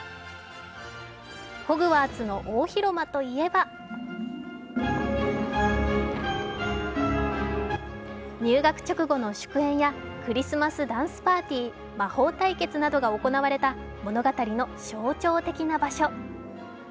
ホグワーツの大広間といえば入学直後の祝宴やクリスマスダンスパーティー魔法対決などが行われた物語の象徴的な場所。